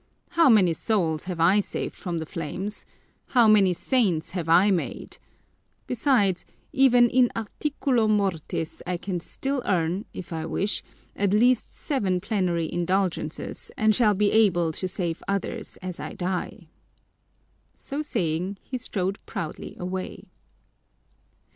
"How many souls have I saved from the flames! How many saints have I made! Besides, even in articulo mortis I can still earn, if I wish, at least seven plenary indulgences and shall be able to save others as I die." So saying, he strode proudly away.